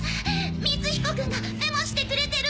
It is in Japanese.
光彦くんがメモしてくれてる。